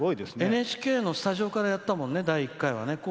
ＮＨＫのスタジオからやったもんな第１回はね。